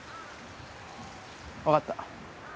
分かった。